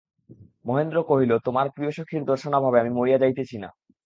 মহেন্দ্র কহিল, তোমার প্রিয়সখীর দর্শনাভাবে আমি মরিয়া যাইতেছি না।